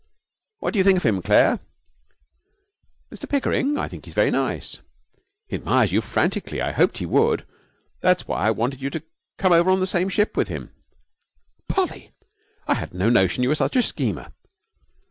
'What do you think of him, Claire?' 'Mr Pickering? I think he's very nice.' 'He admires you frantically. I hoped he would. That's why I wanted you to come over on the same ship with him.' 'Polly! I had no notion you were such a schemer.'